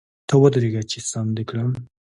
ته ودرېږه چي ! سم دي کړم .